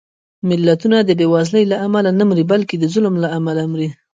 ملتونه د بېوزلۍ له امله نه مري، بلکې د ظلم له امله مري